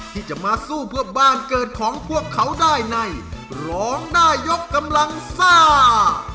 ที่จะมาสู้เพื่อบ้านเกิดของพวกเขาได้ในร้องได้ยกกำลังซ่า